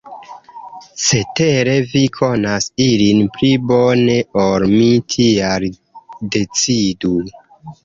Cetere vi konas ilin pli bone ol mi, tial decidu.